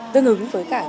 tương ứng với cả cái tên tù